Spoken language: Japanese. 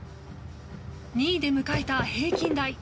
２位で迎えた平均台。